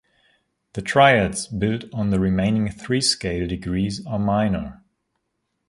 The triads built on the remaining three scale degrees are minor.